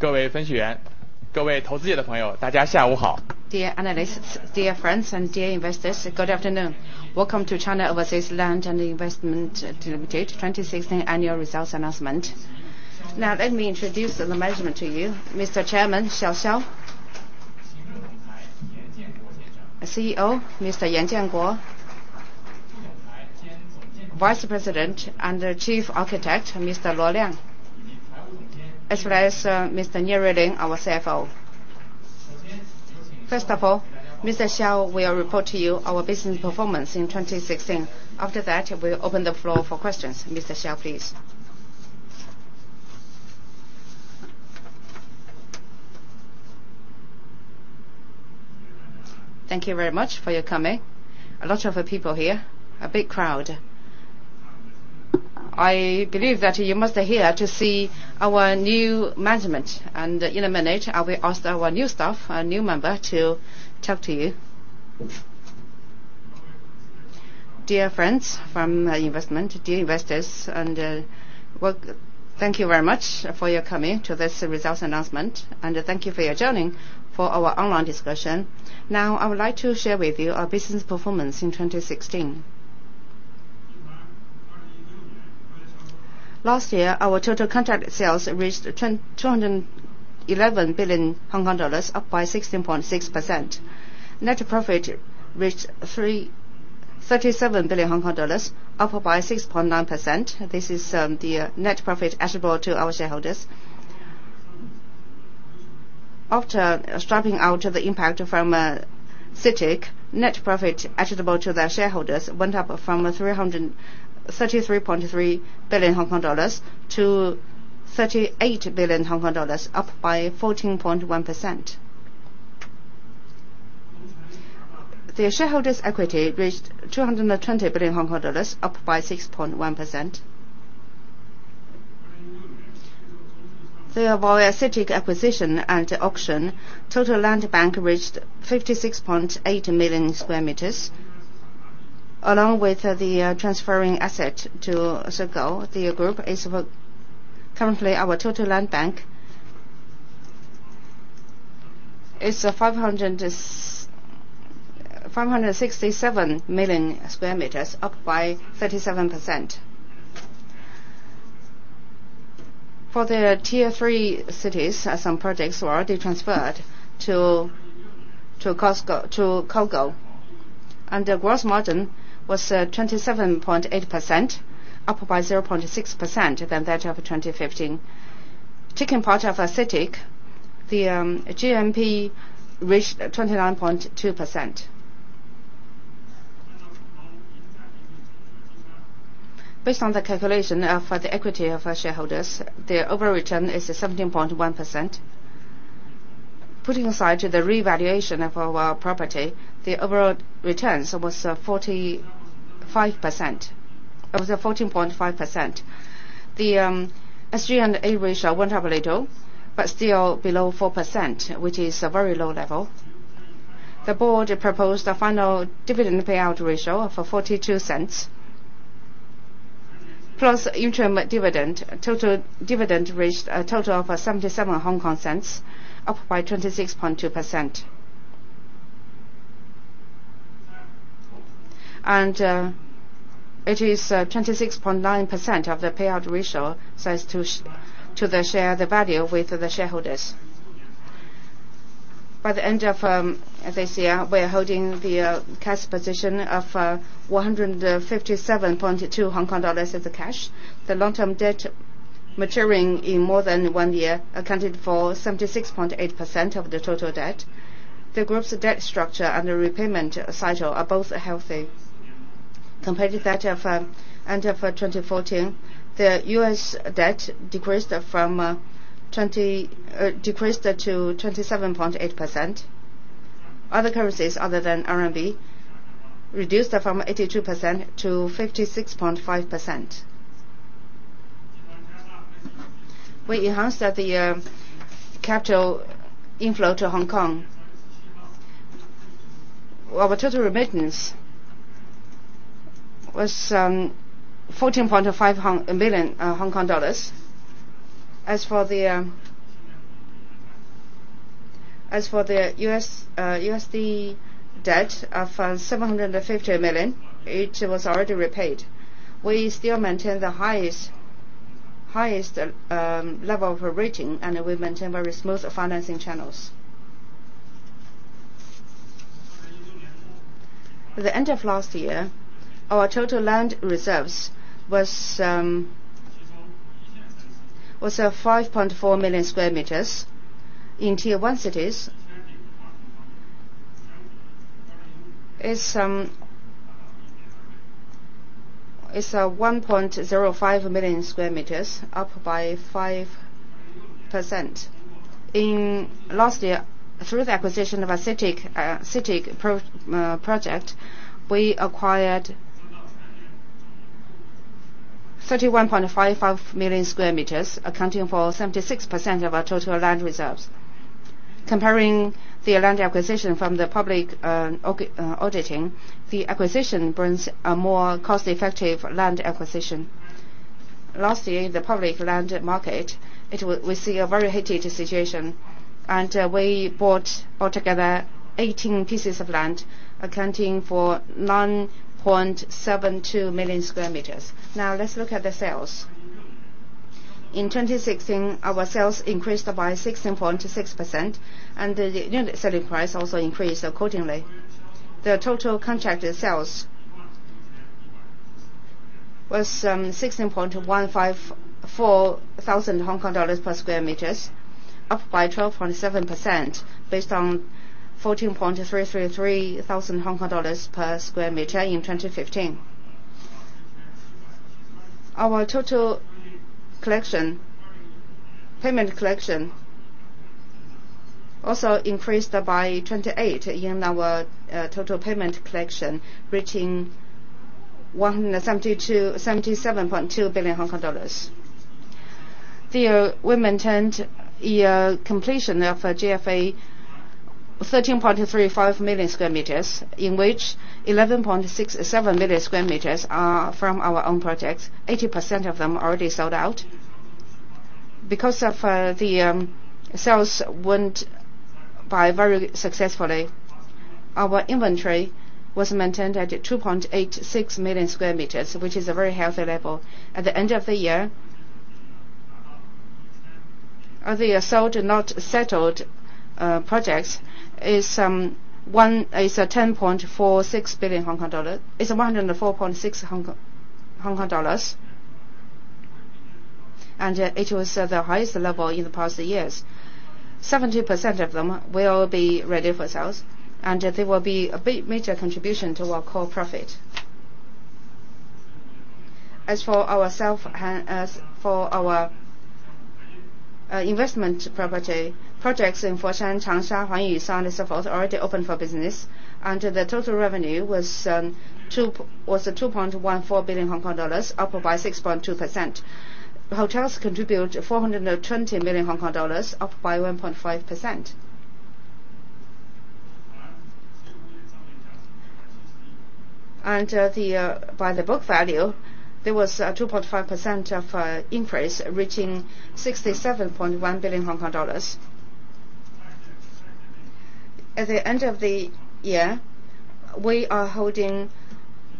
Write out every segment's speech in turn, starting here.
Dear analysts, dear friends, and dear investors, good afternoon. Welcome to China Overseas Land & Investment Limited 2016 annual results announcement. Let me introduce the management to you, Mr. Chairman, Xiao Xiao. CEO, Mr. Yan Jianguo. Vice President and Chief Architect, Mr. Luo Liang. As well as Mr. Nip Yuen Leng, our CFO. Mr. Xiao will report to you our business performance in 2016. We'll open the floor for questions. Mr. Xiao, please. Thank you very much for your coming. A lot of people here. A big crowd. I believe that you must be here to see our new management. In a minute, I will ask our new staff, our new member, to talk to you. Dear friends from investment, dear investors, thank you very much for your coming to this results announcement, and thank you for joining for our online discussion. I would like to share with you our business performance in 2016. Last year, our total contract sales reached 211 billion Hong Kong dollars, up by 16.6%. Net profit reached 37 billion Hong Kong dollars, up by 6.9%. This is the net profit attributable to our shareholders. After stripping out the impact from CITIC, net profit attributable to the shareholders went up from 33.3 billion Hong Kong dollars to 38 billion Hong Kong, up by 14.1%. The shareholders' equity reached 220 billion Hong Kong dollars, up by 6.1%. Via our CITIC acquisition and auction, total land bank reached 56.8 million sq m. Along with the transferring asset to COGO, Currently, our total land bank is 567 million sq m, up by 37%. For the tier 3 cities, some projects were already transferred to COGO. The gross margin was 27.8%, up by 0.6% than that of 2015. Taking part of CITIC, the GPM reached 29.2%. Based on the calculation for the equity of our shareholders, the overall return is 17.1%. Putting aside the revaluation of our property, the overall returns was 14.5%. The SG&A ratio went up a little, but still below 4%, which is a very low level. The board proposed a final dividend payout ratio of 0.42. Plus interim dividend, total dividend reached a total of 0.77, up by 26.2%. It is 26.9% of the payout ratio so as to share the value with the shareholders. By the end of FY 2016, we are holding the cash position of 157.2 Hong Kong dollars in the cash. The long-term debt maturing in more than 1 year accounted for 76.8% of the total debt. The group's debt structure and the repayment cycle are both healthy. Compared to that of end of 2014, the U.S. debt decreased to 27.8%. Other currencies other than RMB reduced from 82% to 56.5%. We enhanced the capital inflow to Hong Kong. Our total remittance was HKD 14.5 billion. As for the USD debt of $750 million, it was already repaid. We still maintain the highest level of rating, we maintain very smooth financing channels. At the end of last year, our total land reserves was 5.4 million sq m. In tier 1 cities, is 1.05 million sq m, up by 5%. Last year, through the acquisition of a CITIC project, we acquired 31.55 million sq m, accounting for 76% of our total land reserves. Comparing the land acquisition from the public auction, the acquisition brings a more cost-effective land acquisition. Last year, in the public land market, we see a very heated situation, we bought altogether 18 pieces of land, accounting for 9.72 million sq m. Let's look at the sales. In 2016, our sales increased by 16.6%, and the unit selling price also increased accordingly. The total contracted sales was 16.154 thousand Hong Kong dollars per square meter, up by 12.7%, based on 14.333 thousand Hong Kong dollars per square meter in 2015. Our total payment collection also increased by 28, reaching HKD 177.2 billion. We maintained a completion of GFA 13.35 million sq m, in which 11.67 million sq m are from our own projects. 80% of them already sold out. Because the sales went by very successfully, our inventory was maintained at 2.86 million sq m, which is a very healthy level. At the end of the year, the sold and not settled projects is HKD 10.46 billion. It's 104.6 billion Hong Kong, and it was the highest level in the past years. 70% of them will be ready for sales, they will be a big major contribution to our core profit. As for our Investment Properties, projects in Foshan, Changsha, Huangpi, Xi'an, and so forth, are already open for business. The total revenue was 2.14 billion Hong Kong dollars, up by 6.2%. Hotels contribute 420 million Hong Kong dollars, up by 1.5%. By the book value, there was a 2.5% increase, reaching HKD 67.1 billion. At the end of the year, we are holding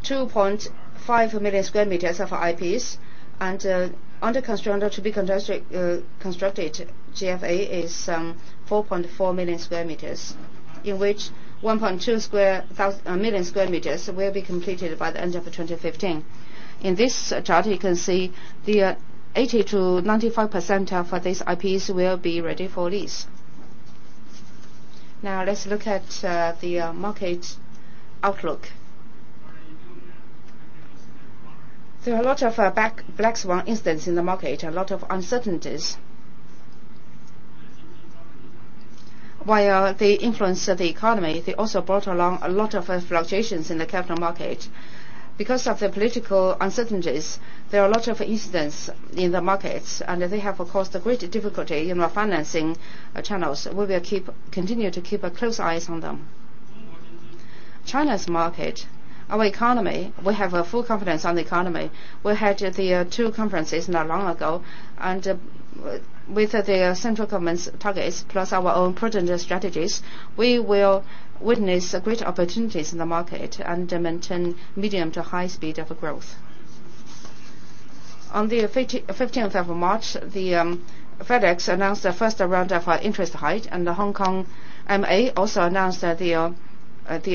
2.5 million sq m of IPs, and under construction or to be constructed GFA is 4.4 million sq m, in which 1.2 million sq m will be completed by the end of 2015. In this chart, you can see the 80%-95% of these IPs will be ready for lease. Let's look at the market outlook. There are a lot of black swan incidents in the market, a lot of uncertainties. While they influence the economy, they also brought along a lot of fluctuations in the capital market. Because of the political uncertainties, there are a lot of incidents in the markets, they have caused a great difficulty in our financing channels. We will continue to keep a close eyes on them. China's market, our economy, we have a full confidence on the economy. We had the two conferences not long ago, with the central government's targets plus our own prudent strategies, we will witness great opportunities in the market and maintain medium to high speed of growth. On the 15th of March, the Fed announced the first round of interest hike, the HKMA also announced the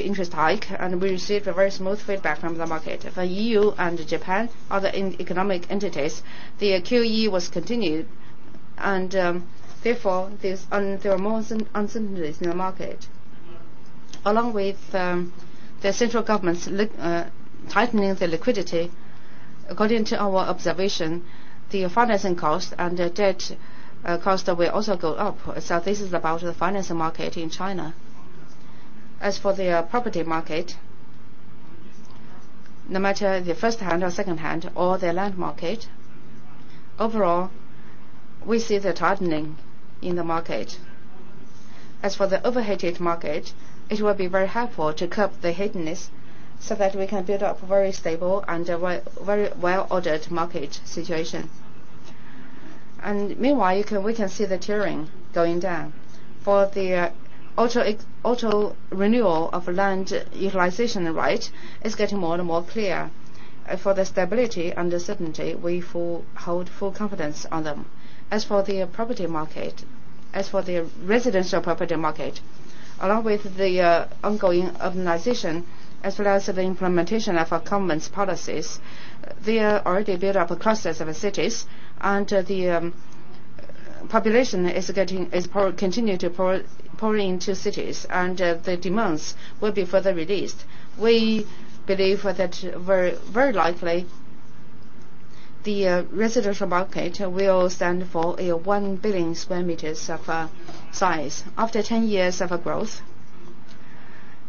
interest hike, we received a very smooth feedback from the market. For EU and Japan, other economic entities, the QE was continued, therefore, there are more uncertainties in the market. Along with the central government tightening the liquidity, according to our observation, the financing cost and the debt cost will also go up. This is about the financing market in China. As for the property market, no matter the firsthand or secondhand or the land market, overall, we see the tightening in the market. As for the overheated market, it will be very helpful to curb the heatedness so that we can build up very stable and very well-ordered market situation. Meanwhile, we can see the tiering going down. For the auto-renewal of land utilization right, it's getting more and more clear. For the stability and the certainty, we hold full confidence on them. As for the residential property market, along with the ongoing urbanization as well as the implementation of our government's policies, they already built up across several cities. The population is continuing to pour into cities. The demands will be further released. We believe that very likely, the residential market will stand for a 1 billion sq m of size. After 10 years of growth,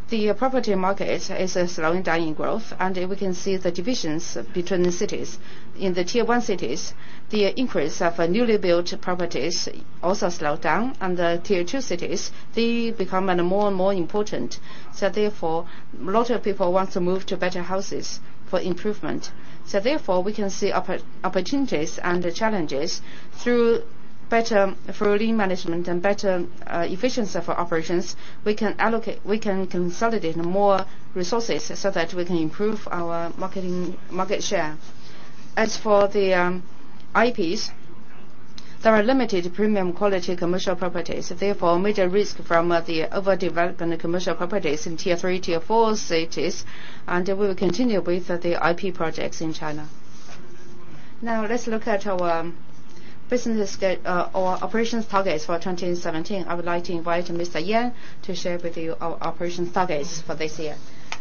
the property market is slowing down in growth. We can see the divisions between the cities. In the tier 1 cities, the increase of newly built properties also slowed down. The tier 2 cities, they become more and more important. Therefore, a lot of people want to move to better houses for improvement. Therefore, we can see opportunities and the challenges through better management and better efficiency for operations. We can consolidate more resources so that we can improve our market share. As for the IPs, there are limited premium quality commercial properties, therefore major risk from the overdevelopment of commercial properties in tier 3, tier 4 cities. We will continue with the IP projects in China. Let's look at our operations targets for 2017. I would like to invite Mr. Yan to share with you our operations targets for this year.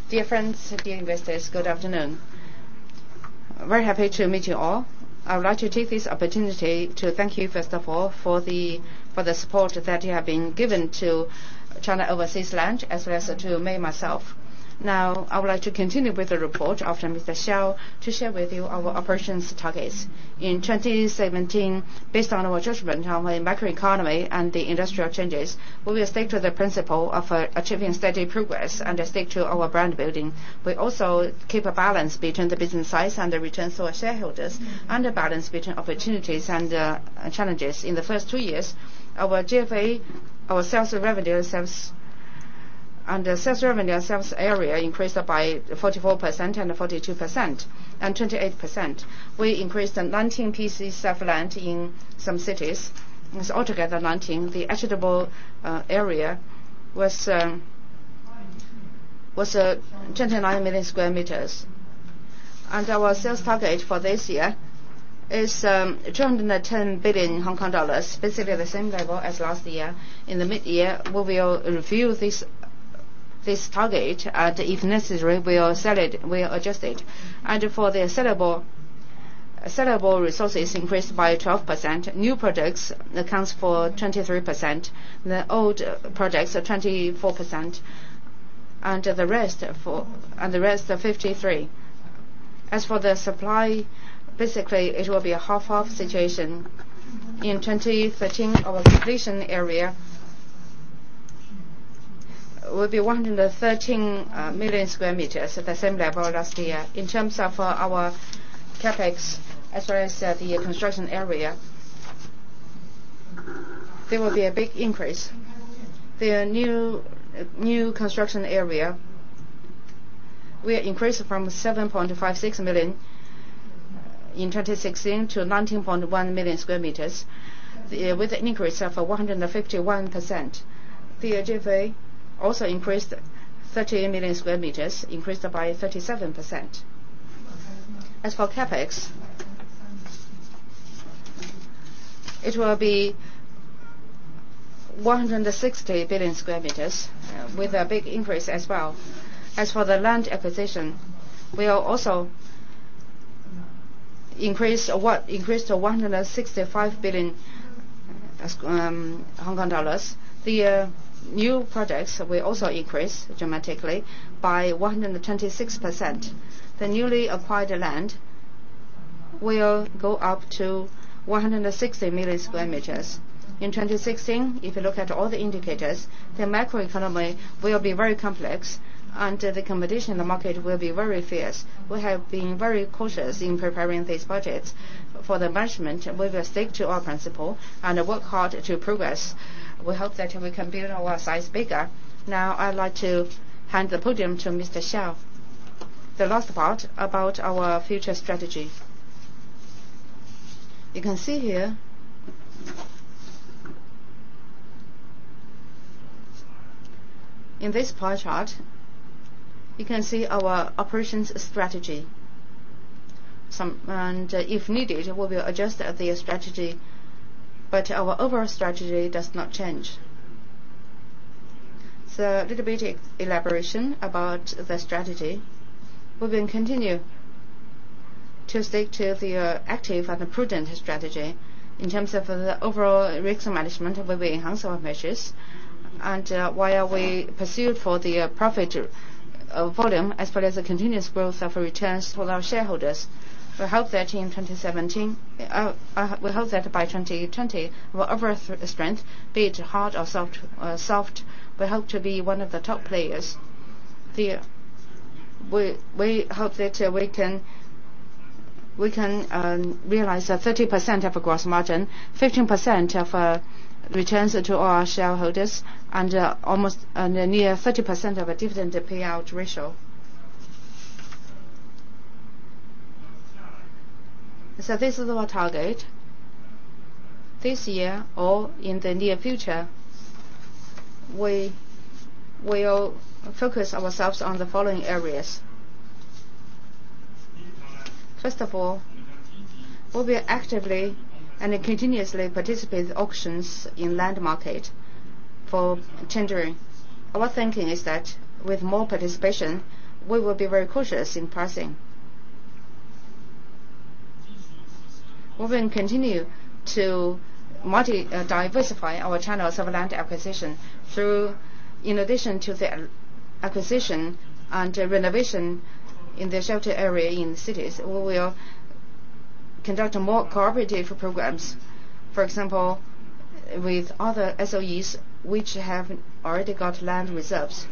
Dear friends, dear investors, good afternoon. Very happy to meet you all. I would like to take this opportunity to thank you, first of all, for the support that you have been giving to China Overseas Land, as well as to me myself. I would like to continue with the report after Mr. Xiao, to share with you our operations targets. In 2017, based on our judgment on the macroeconomy and the industrial changes, we will stick to the principle of achieving steady progress and stick to our brand building. We also keep a balance between the business size and the returns to our shareholders, and a balance between opportunities and challenges. In the first two years, our GFA, our sales revenue and sales area increased by 44%, 42%, and 28%. We increased 19 pieces of land in some cities, it was altogether 19. The developable area was 29 million sq m. Our sales target for this year is 210 billion Hong Kong dollars, basically the same level as last year. In the mid-year, we will review this target, and if necessary, we will adjust it. For the sellable resources increased by 12%, new products accounts for 23%, the old products are 24%, and the rest are 53%. As for the supply, basically it will be a half-half situation. In 2013, our completion area will be 113 million sq m, at the same level last year. In terms of our CapEx, as well as the construction area, there will be a big increase. The new construction area, we are increased from 7.56 million in 2016 to 19.1 million sq m, with an increase of 151%. The GFA also increased, 30 million sq m, increased by 37%. As for CapEx, it will be 160 billion square meters with a big increase as well. As for the land acquisition, we are also increased to 165 billion Hong Kong dollars. The new projects will also increase dramatically by 126%. The newly acquired land will go up to 160 million sq m. In 2016, if you look at all the indicators, the macroeconomy will be very complex and the competition in the market will be very fierce. We have been very cautious in preparing these budgets. For the management, we will stick to our principle and work hard to progress. We hope that we can build our size bigger. Now, I'd like to hand the podium to Mr. Xiao. The last part about our future strategy. You can see here, in this pie chart, you can see our operations strategy. If needed, we'll adjust the strategy, but our overall strategy does not change. A little bit elaboration about the strategy. We will continue to stick to the active and prudent strategy. In terms of the overall risk management, we will enhance our measures. While we pursue for the profit volume as well as the continuous growth of returns for our shareholders. We hope that by 2020, our overall strength, be it hard or soft, we hope to be one of the top players. We hope that we can realize a 30% of GPM, 15% of returns to our shareholders, and a near 30% of dividend payout ratio. This is our target. This year or in the near future, we will focus ourselves on the following areas. First of all, we will actively and continuously participate auctions in land market for tendering. Our thinking is that with more participation, we will be very cautious in pricing. We will continue to diversify our channels of land acquisition through, in addition to the acquisition and renovation in the shelter area in cities, we will conduct more cooperative programs. For example, with other SOEs, which have already got land reserves.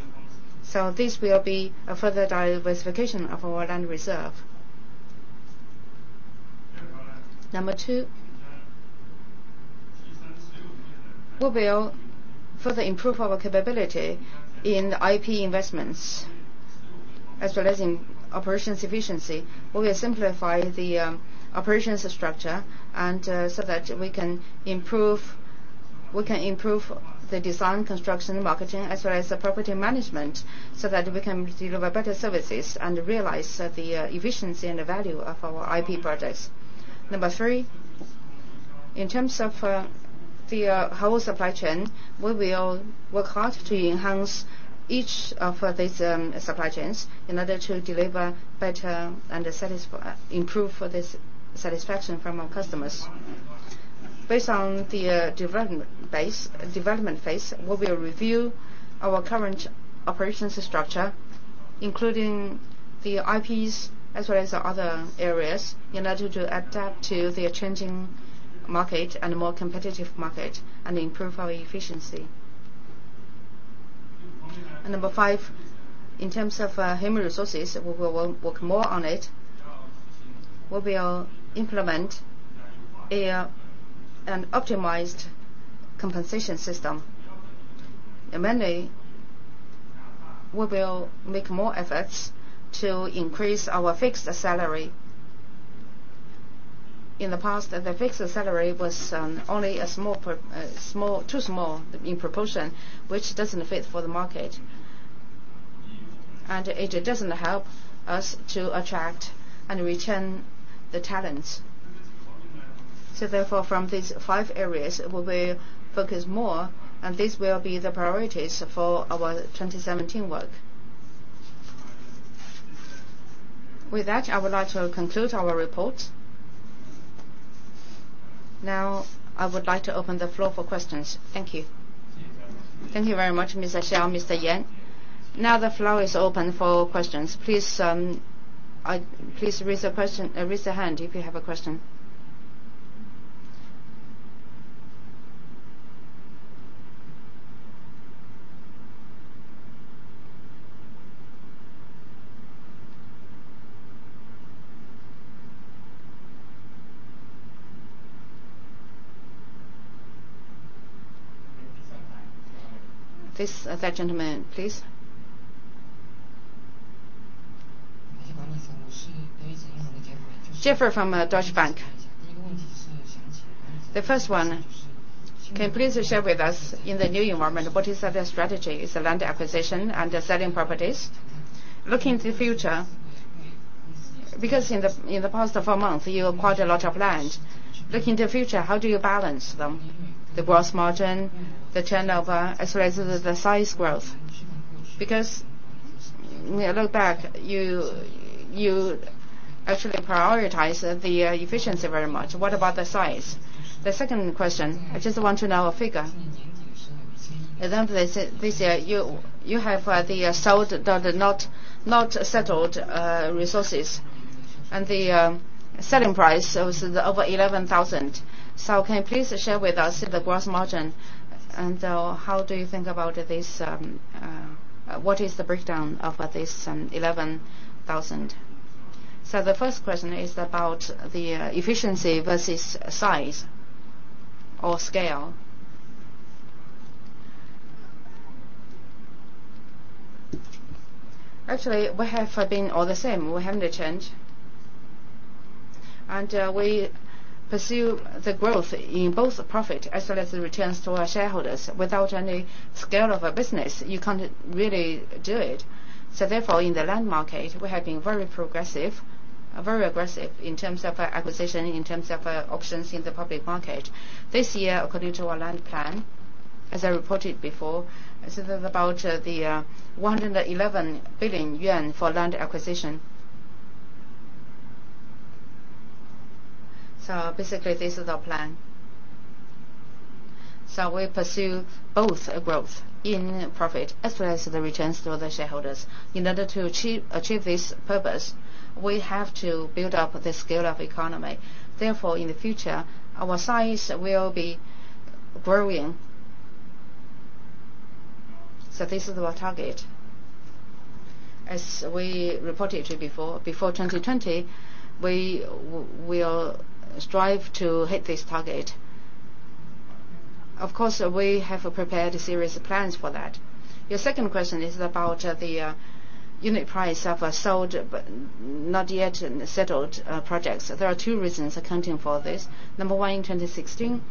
This will be a further diversification of our land reserve. Number 2, we will further improve our capability in IP investments, as well as in operations efficiency. We will simplify the operations structure so that we can improve the design, construction, marketing, as well as the property management, so that we can deliver better services and realize the efficiency and the value of our IP projects. Number 3, in terms of the whole supply chain, we will work hard to enhance each of these supply chains in order to deliver better and improve the satisfaction from our customers. Based on the development phase, we will review our current operations structure, including the IPs as well as other areas, in order to adapt to the changing market and more competitive market and improve our efficiency. Number 5, in terms of human resources, we will work more on it. We will implement an optimized compensation system. Mainly, we will make more efforts to increase our fixed salary. In the past, the fixed salary was only too small in proportion, which doesn't fit for the market. It doesn't help us to attract and retain the talents. From these five areas, we will focus more, and these will be the priorities for our FY 2017 work. With that, I would like to conclude our report. Now, I would like to open the floor for questions. Thank you. Thank you very much, Ms. Xiao, Mr. Yan. Now the floor is open for questions. Please raise a hand if you have a question. This gentleman, please. Jeffrey from Deutsche Bank. The first one, can you please share with us, in the new environment, what is the strategy? Is it land acquisition and selling properties? Looking to the future, because in the past 4 months, you acquired a lot of land. Looking to the future, how do you balance them, the gross margin, the turnover, as well as the size growth? Because when I look back, you actually prioritize the efficiency very much. What about the size? The second question, I just want to know a figure. This year, you have the sold that are not settled resources, and the selling price was over 11,000. Can you please share with us the gross margin and how do you think about this? What is the breakdown of this 11,000? The first question is about the efficiency versus size or scale. Actually, we have been all the same. We haven't changed. We pursue the growth in both profit as well as the returns to our shareholders. Without any scale of a business, you can't really do it. Therefore, in the land market, we have been very progressive, very aggressive in terms of acquisition, in terms of options in the public market. This year, according to our land plan, as I reported before, this is about the 111 billion yuan for land acquisition. Basically, this is our plan. We pursue both growth in profit as well as the returns to the shareholders. In order to achieve this purpose, we have to build up the scale of economy. Therefore, in the future, our size will be growing. This is our target. As we reported before 2020, we will strive to hit this target. Of course, we have prepared a series of plans for that. Your second question is about the unit price of sold but not yet settled projects. There are two reasons accounting for this. Number one, in 2016,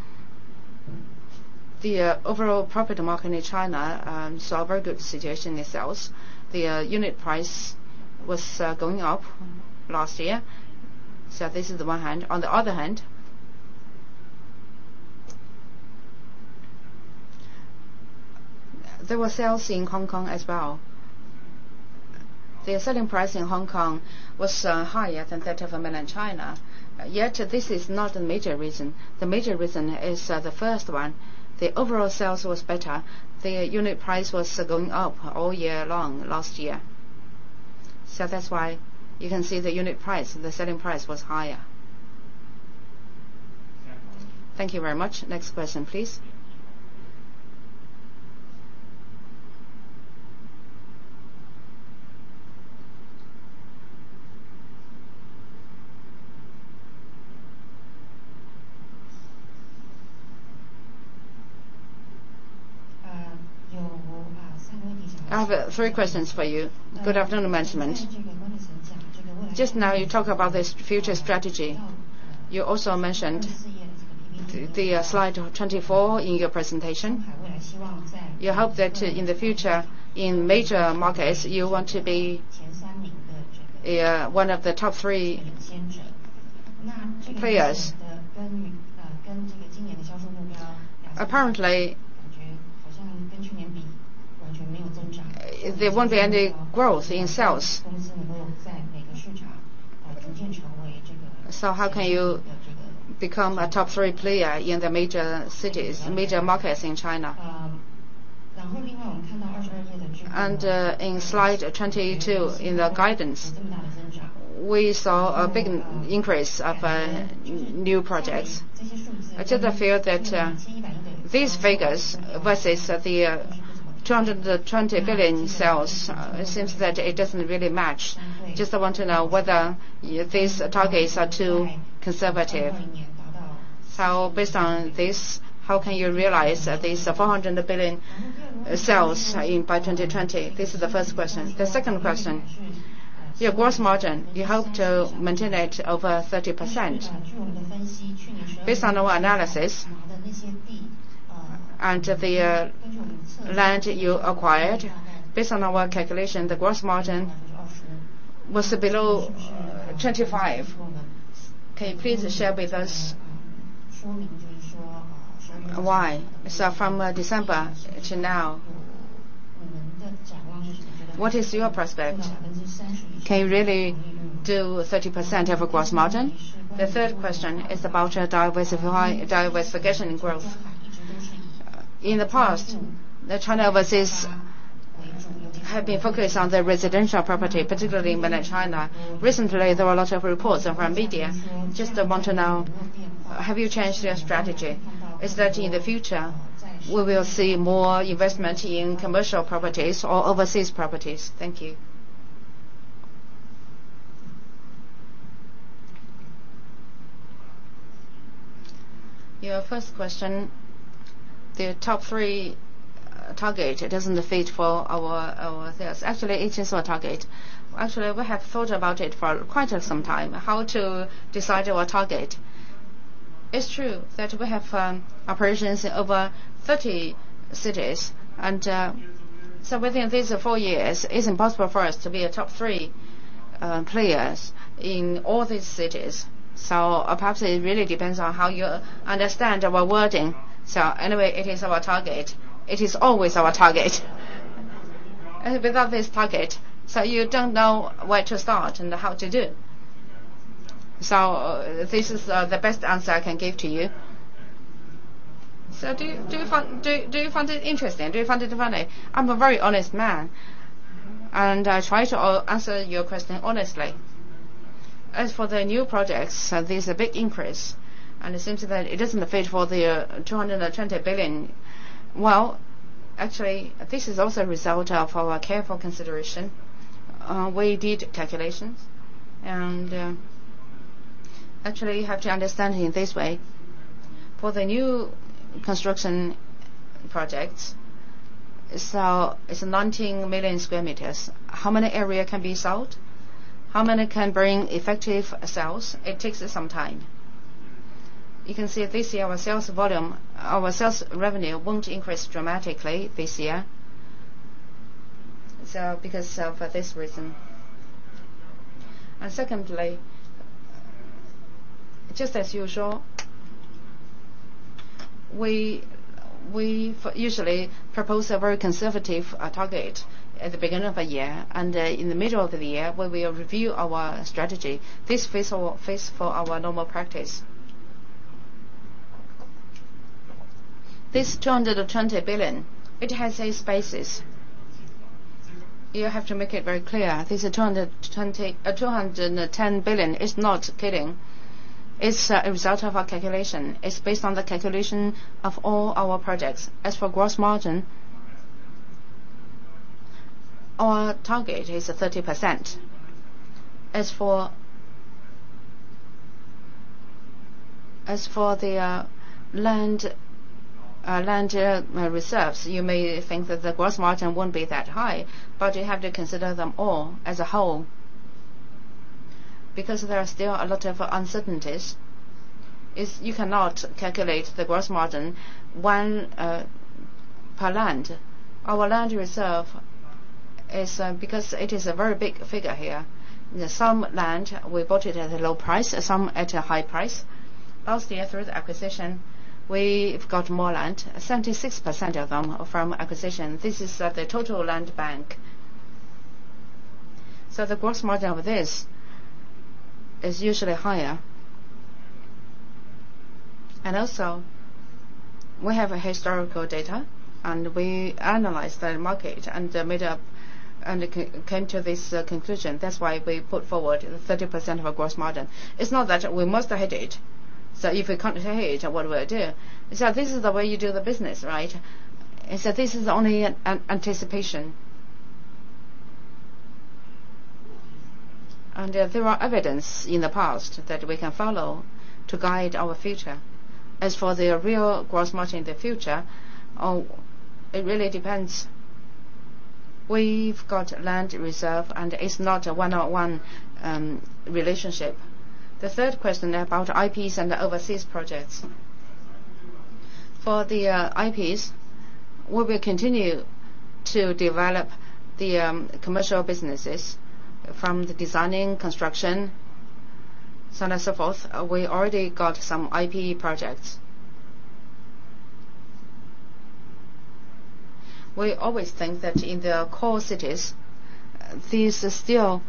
the overall property market in China saw a very good situation in sales. The unit price was going up last year. This is the one hand. On the other hand, there were sales in Hong Kong as well. The selling price in Hong Kong was higher than that of Mainland China, yet this is not the major reason. The major reason is the first one. The overall sales was better. The unit price was going up all year long last year. That's why you can see the unit price, the selling price was higher. Thank you. Thank you very much. Next question, please. I have three questions for you. Good afternoon, management. Just now you talk about this future strategy. You also mentioned slide 24 in your presentation. You hope that in the future, in major markets, you want to be one of the top three players. Apparently, there won't be any growth in sales. How can you become a top three player in the major cities, major markets in China? In slide 22, in the guidance, we saw a big increase of new projects. I just feel that these figures versus the 220 billion sales, it seems that it doesn't really match. I just want to know whether these targets are too conservative. Based on this, how can you realize these 400 billion sales by 2020? This is the first question. The second question, your gross margin, you hope to maintain it over 30%. Based on our analysis and the land you acquired, based on our calculation, the gross margin was below 25%. Can you please share with us why? From December to now, what is your prospect? Can you really do 30% of gross margin? The third question is about your diversification growth. In the past, China Overseas have been focused on the residential property, particularly in Mainland China. Recently, there were a lot of reports around media. I just want to know, have you changed your strategy? Is that in the future, we will see more investment in commercial properties or overseas properties? Thank you. Your first question, the top three target, it doesn't fit for our sales. Actually, it is our target. Actually, we have thought about it for quite some time, how to decide our target. It's true that we have operations in over 30 cities, within these four years, it's impossible for us to be a top three players in all these cities. Perhaps it really depends on how you understand our wording. Anyway, it is our target. It is always our target. Without this target, you don't know where to start and how to do. This is the best answer I can give to you. Do you find it interesting? Do you find it funny? I'm a very honest man, I try to answer your question honestly. As for the new projects, there's a big increase, it seems that it doesn't fit for the 220 billion. Well, actually, this is also a result of our careful consideration. We did calculations, actually, you have to understand it this way. For the new construction projects, it's 19 million square meters. How many area can be sold? How many can bring effective sales? It takes some time. You can see this year our sales volume, our sales revenue won't increase dramatically this year because of this reason. Secondly, just as usual, we usually propose a very conservative target at the beginning of a year, in the middle of the year, when we review our strategy. This is for our normal practice. This HKD 220 billion, it has a basis. You have to make it very clear, this 210 billion is not kidding. It's a result of our calculation. It's based on the calculation of all our projects. As for gross margin, our target is 30%. As for the land reserves, you may think that the gross margin won't be that high, but you have to consider them all as a whole, because there are still a lot of uncertainties. You cannot calculate the gross margin one per land. Our land reserve is because it is a very big figure here. Some land, we bought it at a low price, some at a high price. Last year, through the acquisition, we've got more land, 76% of them are from acquisition. This is the total land bank. The gross margin of this is usually higher. Also, we have a historical data, and we analyzed the market and came to this conclusion. That's why we put forward 30% of our gross margin. It's not that we must hit it, if we can't hit it, what do I do? This is the way you do the business, right? This is only an anticipation. There are evidence in the past that we can follow to guide our future. As for the real gross margin in the future, it really depends. We've got land reserve, and it's not a one-on-one relationship. The third question about IPs and the overseas projects. For the IPs, we will continue to develop the commercial businesses from the designing, construction, so on and so forth. We already got some IP projects. We always think that in the core cities, there's still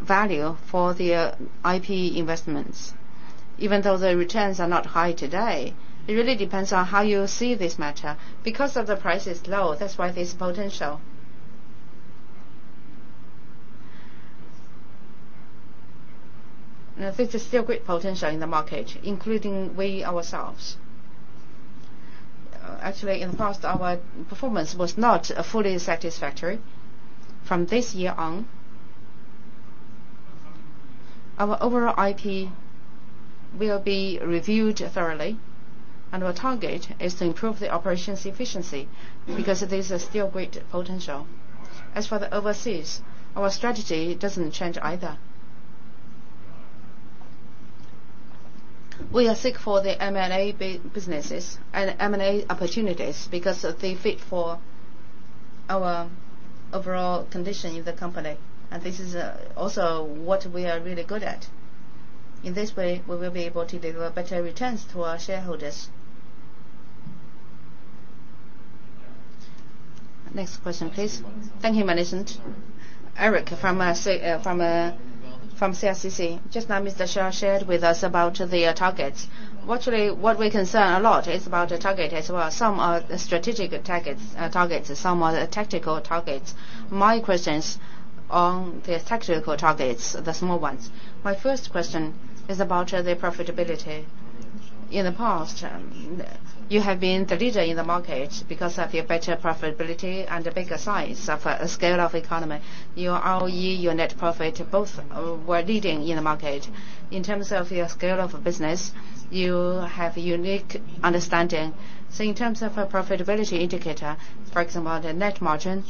value for the IP investments, even though the returns are not high today. It really depends on how you see this matter. Because of the price is low, that's why there's potential. There's still great potential in the market, including we ourselves. Actually, in the past, our performance was not fully satisfactory. From this year on, our overall IP will be reviewed thoroughly, and our target is to improve the operations efficiency, because there's still great potential. As for the overseas, our strategy doesn't change either. We are seek for the M&A businesses and M&A opportunities because they fit for our overall condition in the company, and this is also what we are really good at. In this way, we will be able to deliver better returns to our shareholders. Next question, please. Thank you, Manesh. Eric from CSCC. Just now, Mr. Xiao shared with us about the targets. Actually, what we concern a lot is about the target as well. Some are strategic targets, some are tactical targets. My questions on the tactical targets, the small ones. My first question is about the profitability. In the past, you have been the leader in the market because of your better profitability and the bigger size of scale of economy. Your ROE, your net profit, both were leading in the market. In terms of your scale of business, you have unique understanding. In terms of a profitability indicator, for example, the net margin,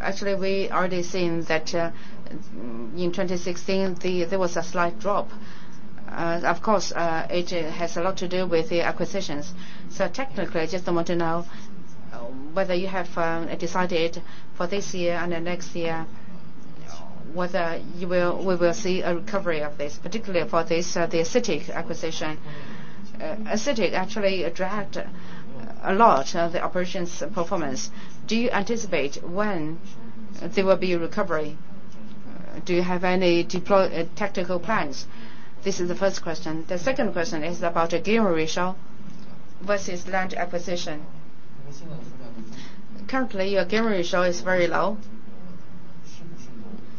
actually, we already seen that in 2016, there was a slight drop. Of course, it has a lot to do with the acquisitions. Technically, I just want to know whether you have decided for this year and the next year, whether we will see a recovery of this, particularly for the City acquisition. City actually dragged a lot of the operations performance. Do you anticipate when there will be a recovery? Do you have any tactical plans? This is the first question. The second question is about your gear ratio versus land acquisition. Currently, your gear ratio is very low.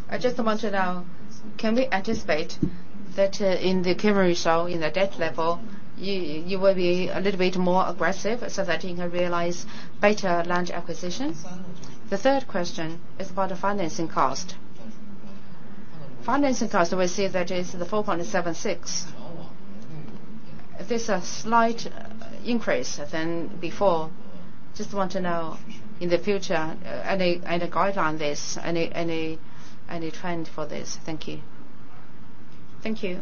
I just want to know, can we anticipate that in the gear ratio, in the debt level, you will be a little bit more aggressive so that you can realize better land acquisition? The third question is about the financing cost. Financing cost, we see that it is 4.76%. There is a slight increase than before. Just want to know in the future, any guide on this, any trend for this? Thank you. Thank you.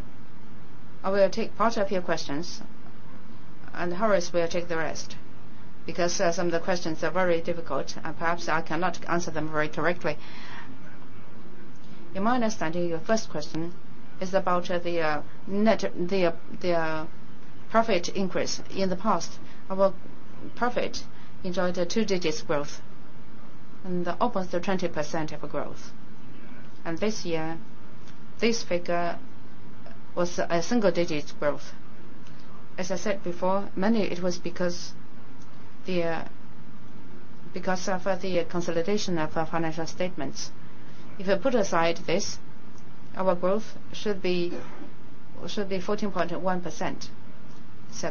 I will take part of your questions, and Horace will take the rest, because some of the questions are very difficult and perhaps I cannot answer them very directly. In my understanding, your first question is about the profit increase. In the past, our profit enjoyed a two-digit growth, and above the 20% of growth. This year, this figure was a single-digit growth. As I said before, mainly it was because of the consolidation of our financial statements. If I put aside this, our growth should be 14.1%.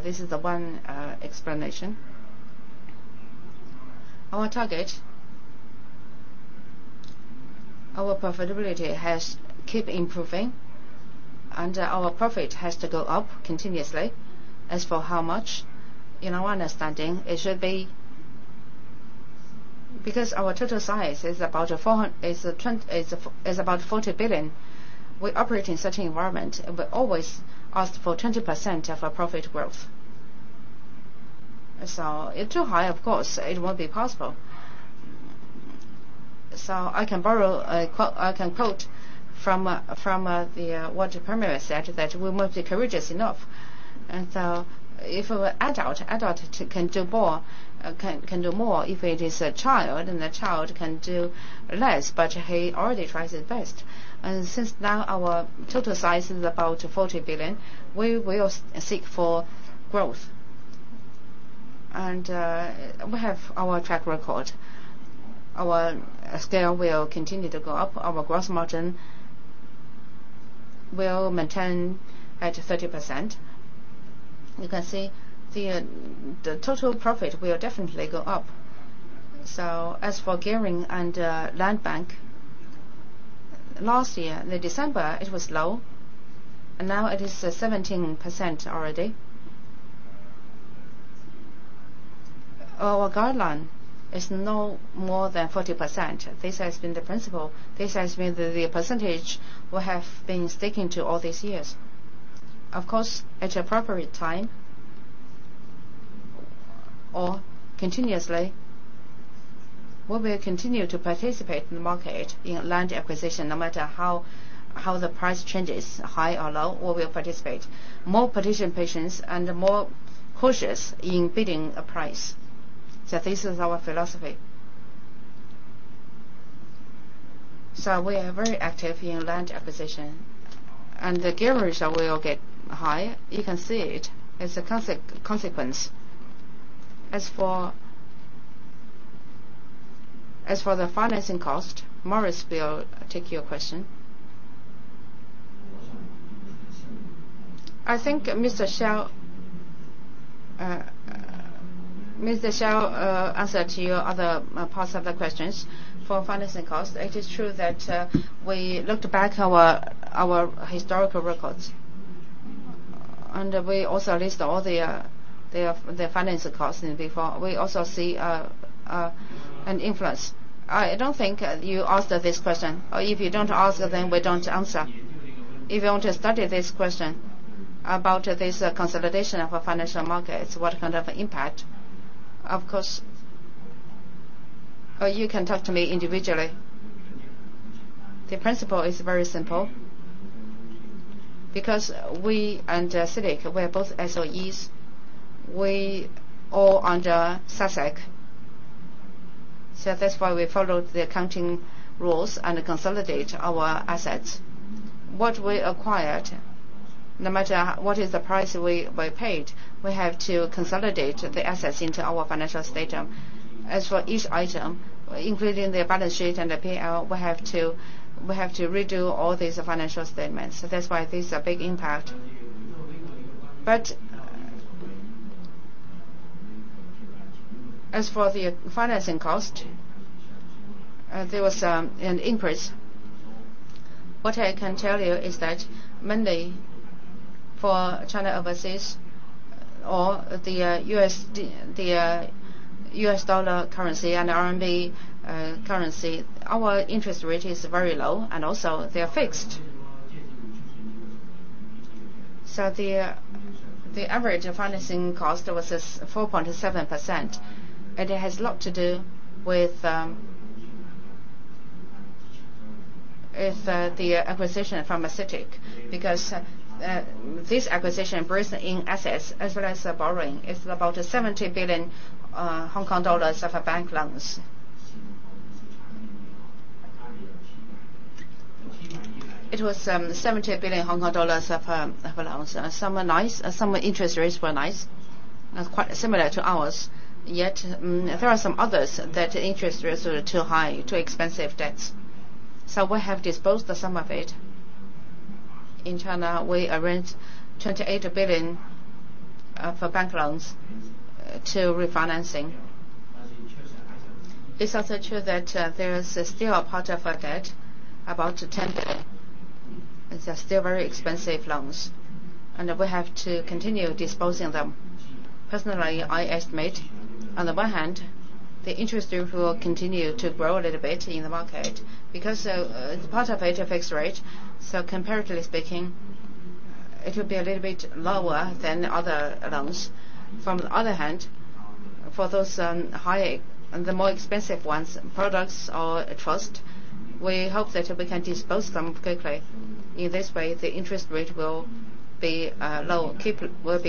This is the one explanation. Our target, our profitability has keep improving, and our profit has to go up continuously. As for how much? In our understanding, it should be because our total size is about 40 billion. We operate in such environment, and we always ask for 20% of our profit growth. Too high, of course, it won't be possible. I can quote from what the premier said, that we weren't courageous enough, if adult can do more. If it is a child, then the child can do less, but he already tries his best. Since now our total size is about 40 billion, we will seek for growth. We have our track record. Our scale will continue to go up. Our gross margin will maintain at 30%. You can see the total profit will definitely go up. As for gearing and land bank, last year, December, it was low, and now it is 17% already. Our guideline is no more than 40%. This has been the principle. This has been the percentage we have been sticking to all these years. Of course, at the appropriate time or continuously, we will continue to participate in the market in land acquisition. No matter how the price changes, high or low, we will participate. More participation and more cautious in bidding a price. This is our philosophy. We are very active in land acquisition. The gear ratio will get high. You can see it as a consequence. As for the financing cost, Horace will take your question. I think Mr. Xiao answered to your other parts of the questions. For financing cost, it is true that we looked back our historical records, we also list all the financial costs before. We also see an influence. I don't think you asked this question, if you don't ask, then we don't answer. If you want to study this question about this consolidation of our financial markets, what kind of impact, of course, you can talk to me individually. The principle is very simple. We and CITIC, we are both SOEs. We all under SASAC. That is why we followed the accounting rules and consolidate our assets. What we acquired, no matter what is the price we paid, we have to consolidate the assets into our financial statement. As for each item, including the balance sheet and the P&L, we have to redo all these financial statements. So that's why this is a big impact. But, as for the financing cost, there was an increase. What I can tell you is that mainly for China Overseas or the US dollar currency and RMB currency, our interest rate is very low, and also they are fixed. So the average financing cost was 4.7%, and it has lot to do with the acquisition from CITIC, because this acquisition, both in assets as well as borrowing, is about 70 billion of bank loans. It was 70 billion Hong Kong dollars of loans. Some interest rates were nice and quite similar to ours, yet there are some others that interest rates were too high, too expensive debts. So we have disposed of some of it. In China, we arranged 28 billion of bank loans to refinancing. It is also true that there is still a part of our debt, about 10 billion. It is still very expensive loans, and we have to continue disposing them. Personally, I estimate, on the one hand, the interest rate will continue to grow a little bit in the market because part of it is fixed rate, so comparatively speaking, it will be a little bit lower than the other loans. On the other hand, for those higher and the more expensive ones, products or trust, we hope that we can dispose them quickly. In this way, the interest rate will be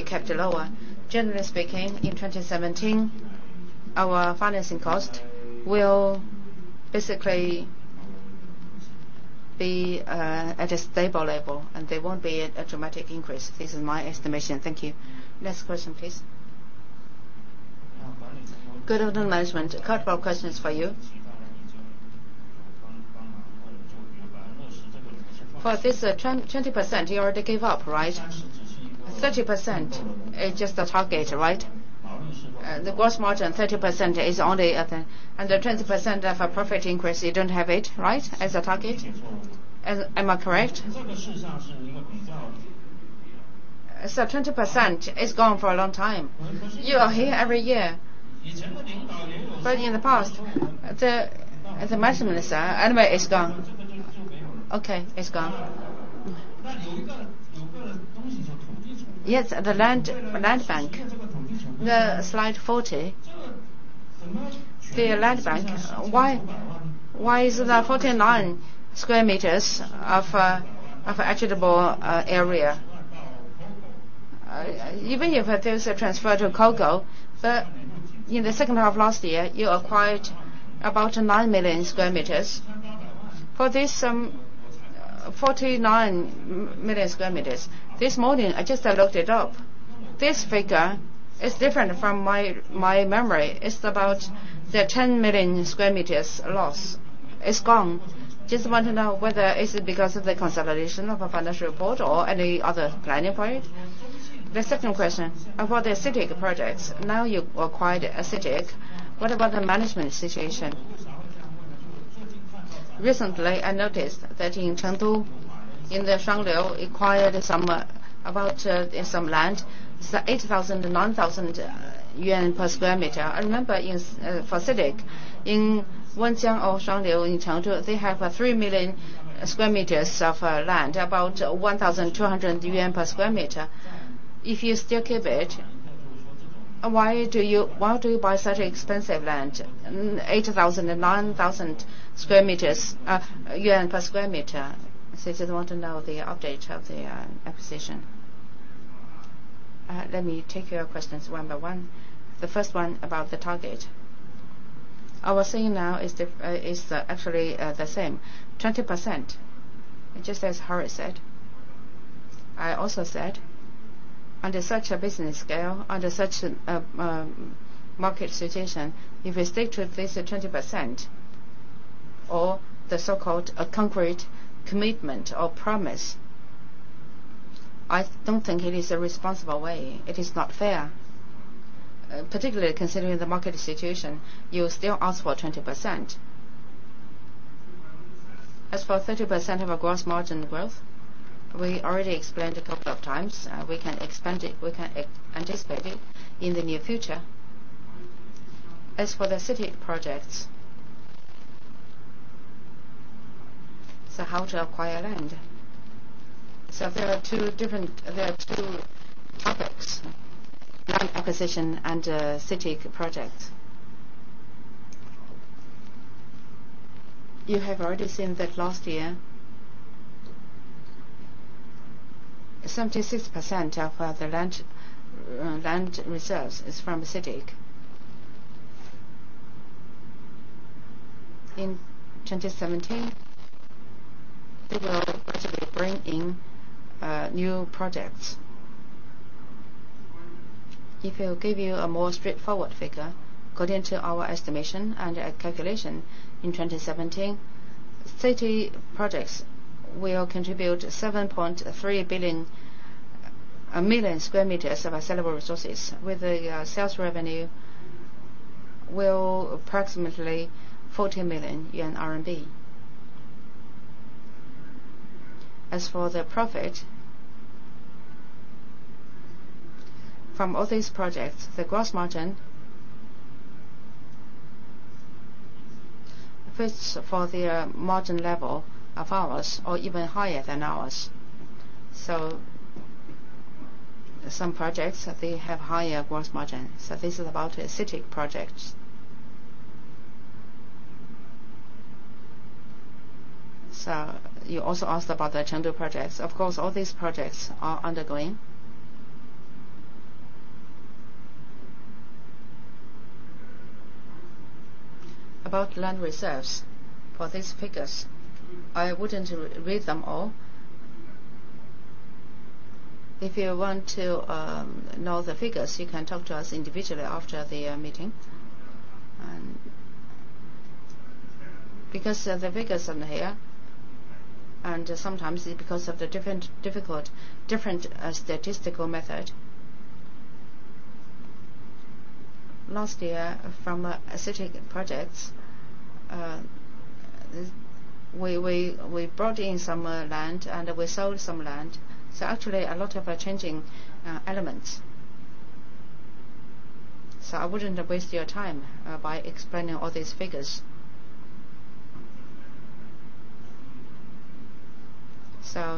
kept lower. Generally speaking, in 2017, our financing cost will basically be at a stable level, and there won't be a dramatic increase. This is my estimation. Thank you. Next question, please. Good afternoon, management. Couple of questions for you. For this 20%, you already gave up, right? 30% is just the target, right? The gross margin, 30% is only-- And the 20% of a profit increase, you don't have it, right? As a target? Am I correct? 20% is gone for a long time. You are here every year. But in the past. As a maximum, sir. Anyway, it is gone. Okay, it is gone. Yes, the land bank. The slide 40. The land bank. Why is there 49 sq m of available area? Even if it is transferred to COGO, in the second half of last year, you acquired about 9 million sq m. For this 49 million sq m, this morning, I just looked it up. This figure is different from my memory. It is about the 10 million sq m loss. It is gone. Just want to know whether it is because of the consolidation of a financial report or any other planning for it. The second question, about the city projects. Now you acquired a city. What about the management situation? Recently, I noticed that in Chengdu, in the Shuangliu, acquired some land. It is 8,000-9,000 yuan per sq m. I remember for city, in Wujiang or Shuangliu in Chengdu, they have 3 million sq m of land, about 1,200 yuan per sq m. If you still keep it, why do you buy such expensive land? 8,000-9,000 per sq m. So I just want to know the update of the acquisition. Let me take your questions one by one. The first one about the target. Our saying now is actually the same, 20%. Just as Harry said. I also said, under such a business scale, under such a market situation, if we stick to this 20% or the so-called a concrete commitment or promise, I don't think it is a responsible way. It is not fair. Particularly considering the market situation, you still ask for 20%. 30% of our gross margin growth, we already explained a couple of times. We can anticipate it in the near future. The city projects, how to acquire land? There are two topics, land acquisition and city projects. You have already seen that last year, 76% of the land reserves is from the city. In 2017, they will gradually bring in new projects. If I give you a more straightforward figure, according to our estimation and calculation, in 2017, city projects will contribute 7.3 billion million square meters of sellable resources with the sales revenue will approximately RMB 14 million. The profit, from all these projects, the gross margin fits for the margin level of ours or even higher than ours. Some projects, they have higher gross margin. This is about city projects. You also asked about the Chengdu projects. Of course, all these projects are undergoing. About land reserves, for these figures, I wouldn't read them all. If you want to know the figures, you can talk to us individually after the meeting. Because the figures on here, and sometimes because of the different statistical method, last year, from city projects, we brought in some land, and we sold some land. Actually a lot of changing elements. I wouldn't waste your time by explaining all these figures.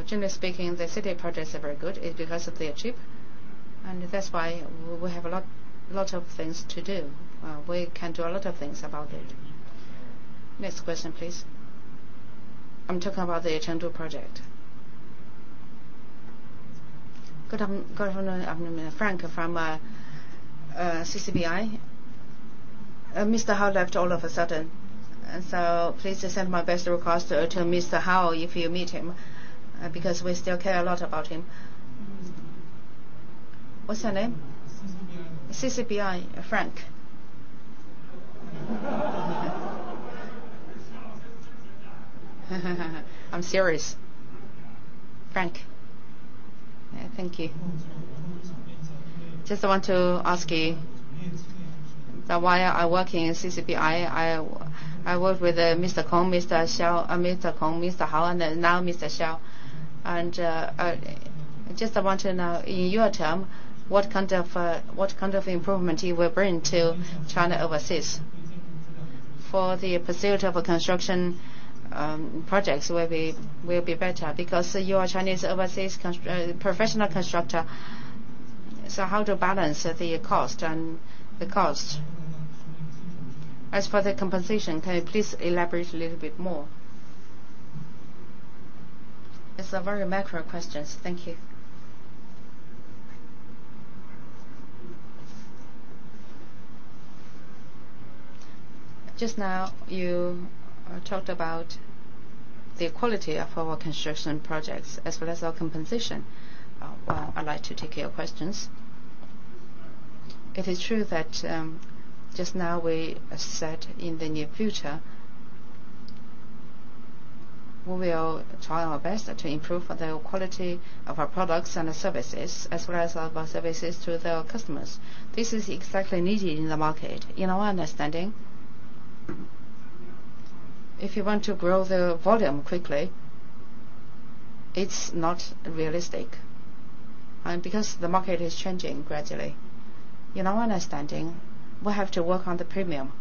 Generally speaking, the city projects are very good because they are cheap, and that's why we have a lot of things to do. We can do a lot of things about it. Next question, please. I'm talking about the Chengdu project. Good afternoon. I'm Frank from CCBI. Mr. Hao left all of a sudden, please send my best regards to Mr. Hao if you meet him, because we still care a lot about him. What's her name? CCBI. CCBI, Frank. I'm serious. Frank. Yeah, thank you. Just want to ask you that while I working in CCBI, I work with Mr. Kong, Mr. Xiao, Mr. Kong, Mr. Hao, and now Mr. Xiao. Just I want to know, in your term, what kind of improvement you will bring to China Overseas? For the pursuit of construction projects will be better because you are Chinese overseas professional constructor. How to balance the cost and the costs? The compensation, can you please elaborate a little bit more? It's a very macro questions. Thank you. Just now, you talked about the quality of our construction projects as well as our compensation. Well, I'd like to take your questions. It is true that just now we said in the near future, we will try our best to improve the quality of our products and our services, as well as our services to the customers. This is exactly needed in the market. In our understanding, if you want to grow the volume quickly, it's not realistic, because the market is changing gradually. In our understanding, we have to work on the premium.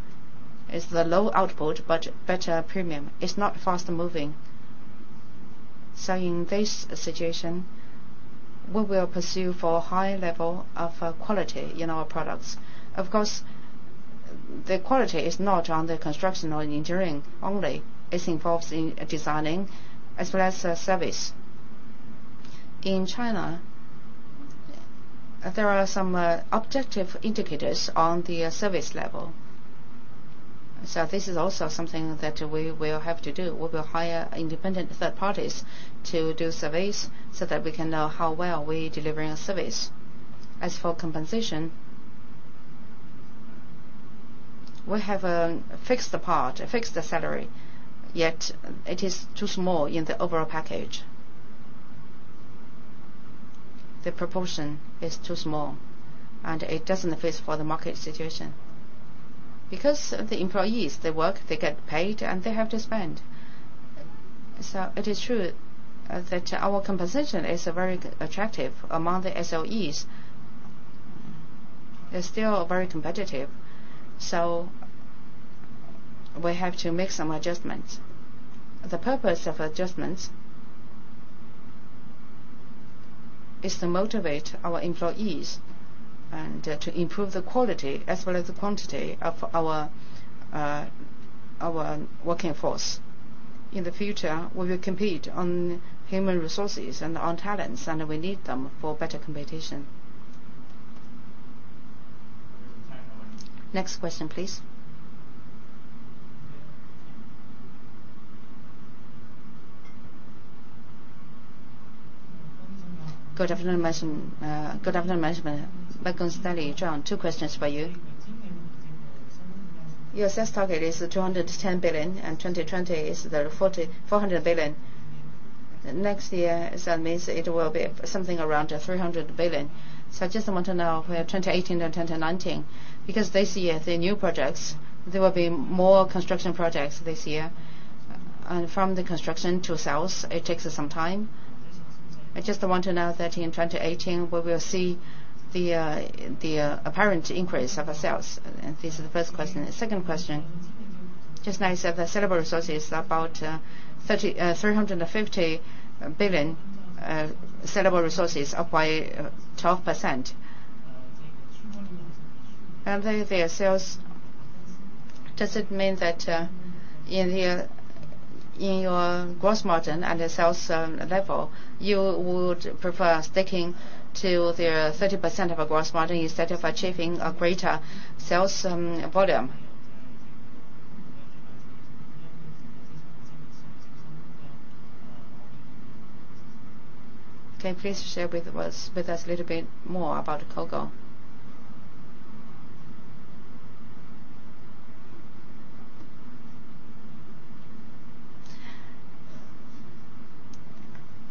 It's the low output, but better premium. It's not fast-moving. In this situation, we will pursue for high level of quality in our products. Of course, the quality is not on the construction or engineering only. It involves in designing as well as service. In China, there are some objective indicators on the service level. This is also something that we will have to do. We'll hire independent third parties to do surveys so that we can know how well we're delivering a service. As for compensation, we have a fixed part, a fixed salary, yet it is too small in the overall package. The proportion is too small, and it doesn't fit for the market situation. The employees, they work, they get paid, and they have to spend. It is true that our compensation is very attractive among the SOEs. It's still very competitive, we have to make some adjustments. The purpose of adjustments is to motivate our employees and to improve the quality as well as the quantity of our working force. In the future, we will compete on human resources and on talents, and we need them for better competition. We have time for one. Next question, please. Good afternoon, management. Bacon Stanley Chung, two questions for you. Your sales target is 210 billion, and 2020 is 400 billion. Next year, that means it will be something around 300 billion. I just want to know where 2018 and 2019, this year, the new projects, there will be more construction projects this year. From the construction to sales, it takes some time. I just want to know that in 2018, we will see the apparent increase of sales. This is the first question. The second question, just now you said the saleable resource is about 350 billion, saleable resources up by 12%. Then the sales, does it mean that in your gross margin and the sales level, you would prefer sticking to the 30% of a gross margin instead of achieving a greater sales volume? Can you please share with us a little bit more about Congo?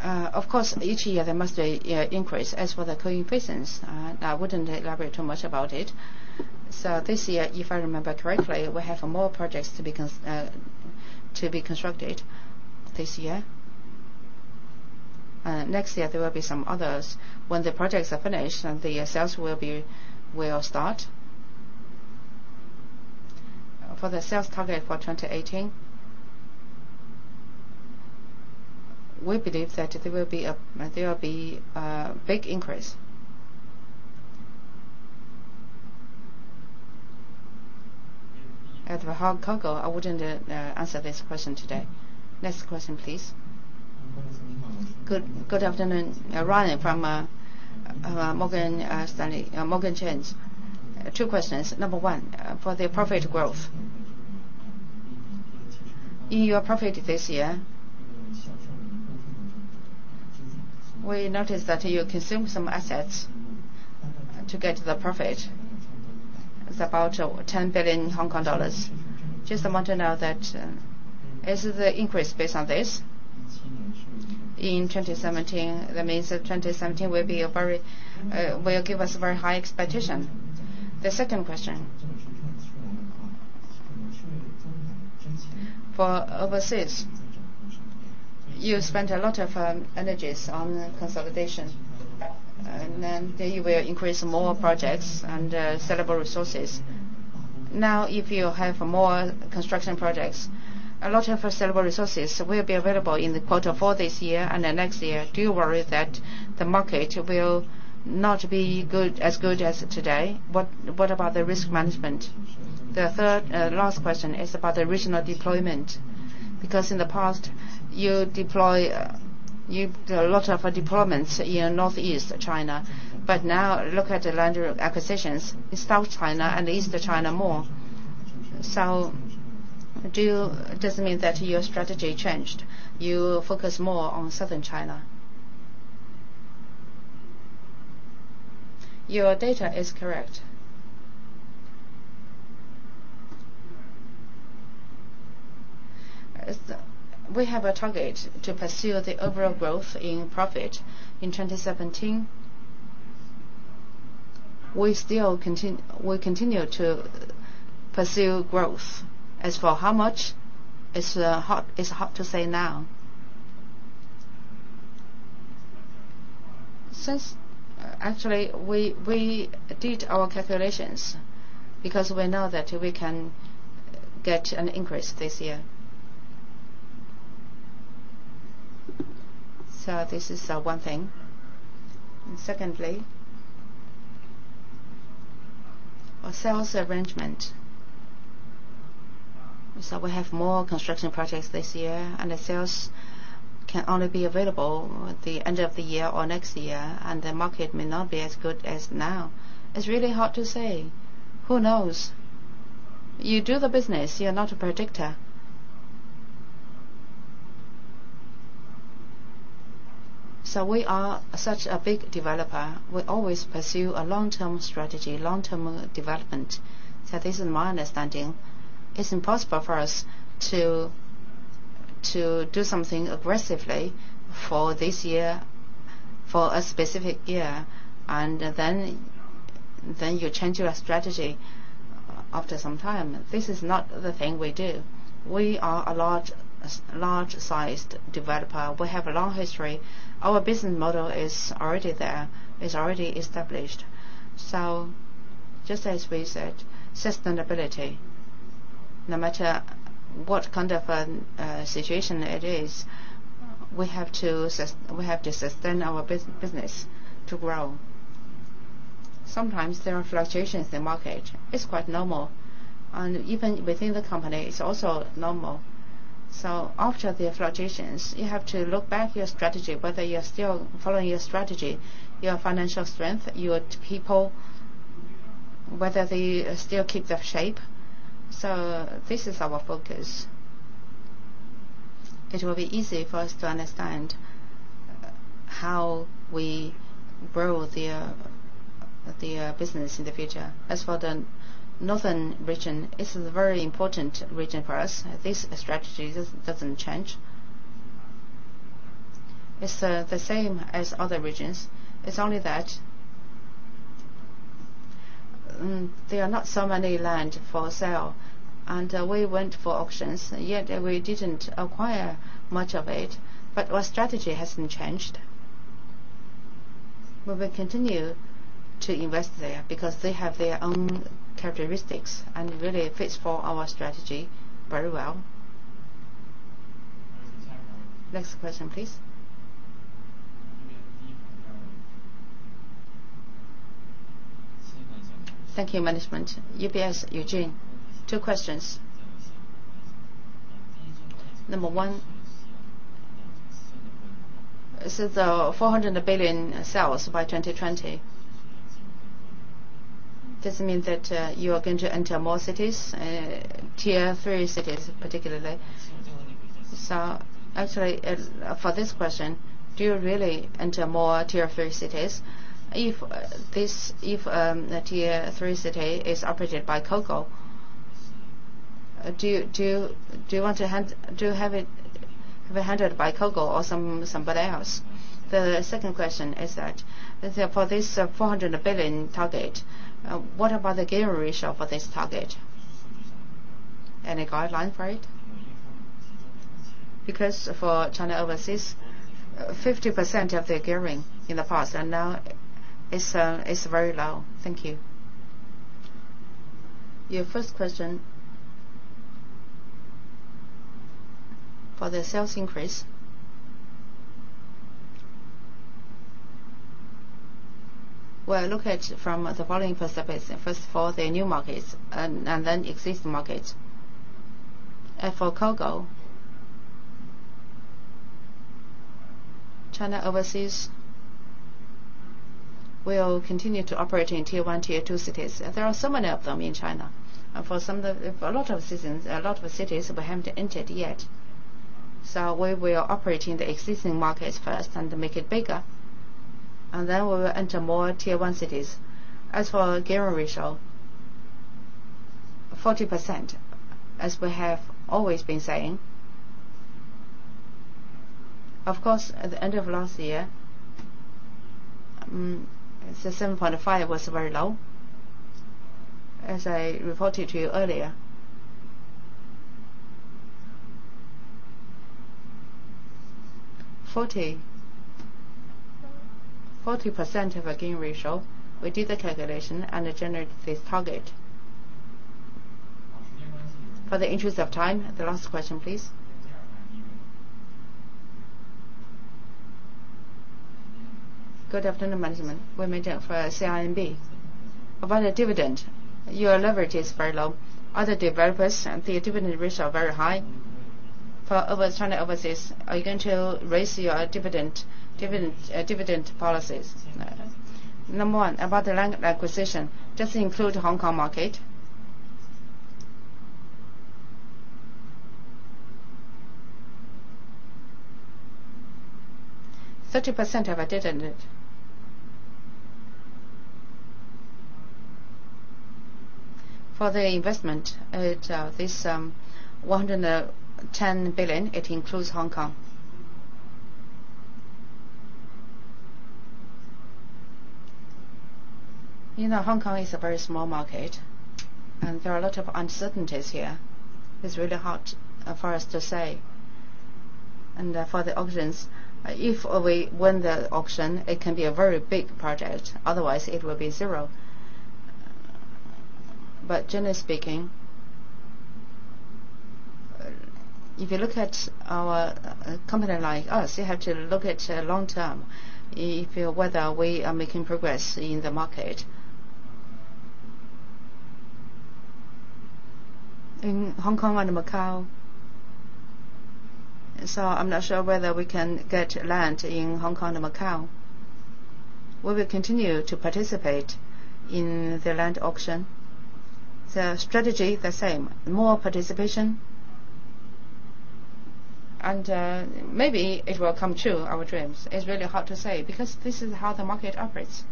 Of course, each year there must be increase. As for the co-investments, I wouldn't elaborate too much about it. This year, if I remember correctly, we have more projects to be constructed this year. Next year, there will be some others. When the projects are finished, the sales will start. For the sales target for 2018, we believe that there will be a big increase. As for how in Congo, I wouldn't answer this question today. Next question, please. Good afternoon. Ryan from Morgan Stanley. Two questions. Number one, for the profit growth. In your profit this year, we noticed that you consume some assets to get the profit. It's about 10 billion Hong Kong dollars. I just want to know that, is the increase based on this? In 2017, that means that 2017 will give us a very high expectation. The second question, for overseas You spent a lot of energies on consolidation, then you will increase more projects and sellable resources. If you have more construction projects, a lot of sellable resources will be available in the quarter for this year and the next year. Do you worry that the market will not be as good as today? What about the risk management? The third, last question is about the regional deployment, because in the past, you got a lot of deployments in Northeast China. Now, look at the land acquisitions, South China and Eastern China more. Does it mean that your strategy changed? You focus more on Southern China. Your data is correct. We have a target to pursue the overall growth in profit in 2017. We continue to pursue growth. As for how much, it's hard to say now. Actually, we did our calculations because we know that we can get an increase this year. This is one thing. Secondly, our sales arrangement. We have more construction projects this year, the sales can only be available at the end of the year or next year, the market may not be as good as now. It's really hard to say. Who knows? You do the business, you're not a predictor. We are such a big developer. We always pursue a long-term strategy, long-term development. This is my understanding. It's impossible for us to do something aggressively for this year, for a specific year, then you change your strategy after some time. This is not the thing we do. We are a large-sized developer. We have a long history. Our business model is already there. It's already established. Just as we said, sustainability. No matter what kind of a situation it is, we have to sustain our business to grow. Sometimes there are fluctuations in the market. It's quite normal, even within the company, it's also normal. After the fluctuations, you have to look back your strategy, whether you're still following your strategy, your financial strength, your people, whether they still keep their shape. This is our focus. It will be easy for us to understand how we grow the business in the future. As for the northern region, it's a very important region for us. This strategy doesn't change. It's the same as other regions. It's only that there are not so many land for sale, we went for auctions, yet we didn't acquire much of it. Our strategy hasn't changed. We will continue to invest there because they have their own characteristics and really fits for our strategy very well. Time. Next question, please. We have Eugene from Cowen. Thank you, management. UBS, Eugene. Two questions. Number one, this is the 400 billion sales by 2020. Does it mean that you are going to enter more cities, tier 3 cities particularly? Actually, for this question, do you really enter more tier 3 cities? If the tier 3 city is operated by COGO, do you want to have it handled by COGO or somebody else? The second question is that, for this 400 billion target, what about the gearing ratio for this target? Any guideline for it? Because for China Overseas, 50% of their gearing in the past and now is very low. Thank you. Your first question, for the sales increase, we look at it from the following perspective. First of all, the new markets then existing markets. For COGO, China Overseas will continue to operate in tier 1, tier 2 cities. There are so many of them in China. For a lot of citizens, a lot of the cities we haven't entered yet. We are operating the existing markets first and make it bigger, then we will enter more tier 1 cities. As for gearing ratio, 40%, as we have always been saying. Of course, at the end of last year. 7.5% was very low. As I reported to you earlier, 40% of our gain ratio, we did the calculation and it generated this target. For the interest of time, the last question, please. Good afternoon, management. Wei-Min Cheng for CIMB. About the dividend, your leverage is very low. Other developers, their dividend rates are very high. For China Overseas, are you going to raise your dividend policies? Number 1, about the land acquisition, does it include Hong Kong market? 30% of our dividend. For the investment, this 110 billion, it includes Hong Kong. Hong Kong is a very small market, there are a lot of uncertainties here. It's really hard for us to say. For the auctions, if we win the auction, it can be a very big project, otherwise it will be 0. Generally speaking, if you look at a company like us, you have to look at long term, if whether we are making progress in the market. In Hong Kong and Macau. I'm not sure whether we can get land in Hong Kong and Macau. We will continue to participate in the land auction. The strategy, the same. More participation, maybe it will come true, our dreams. It's really hard to say, because this is how the market operates.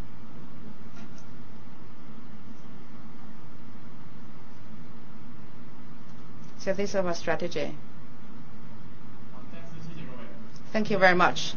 These are our strategy. Thank you very much.